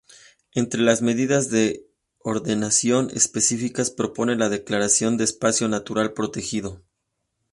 Entre las medidas de ordenación específicas propone la declaración de espacio natural protegido.